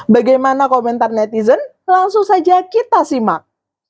bagaimana komentar netizen langsung saja kita simak